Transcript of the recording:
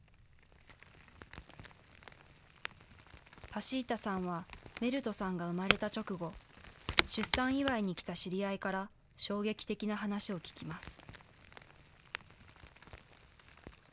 パシータさんは、メルトさんが生まれた直後、出産祝いに来た知り合いから、衝撃的な話を聞きます。